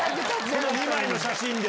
この２枚の写真で。